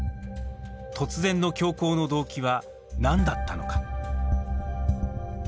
突然の凶行の動機は何だったのか。